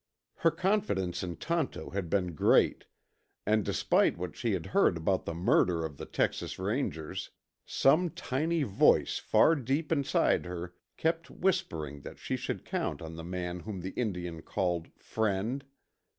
Her confidence in Tonto had been great, and despite what she had heard about the murder of the Texas Rangers, some tiny voice far deep inside her kept whispering that she should count on the man whom the Indian called "friend."